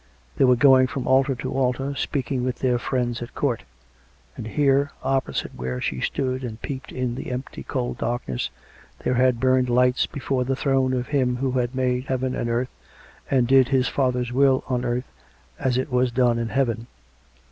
They were going from altar to altar, speaking with their Friends at Coijrt; and here, opposite where she stood and peeped in the empty cold darkness, there had burned lights before the Throne of Him Who had made Heaven and earth, and did His Father's Will on earth as it was done in Heaven.